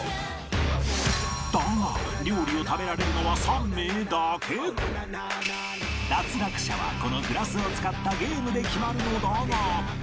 だが料理を脱落者はこのグラスを使ったゲームで決まるのだが